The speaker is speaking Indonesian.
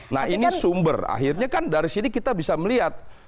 nah ini sumber akhirnya kan dari sini kita bisa melihat